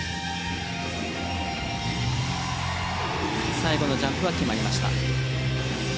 最後のジャンプは決まりました。